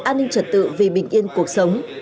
an ninh trật tự vì bình yên cuộc sống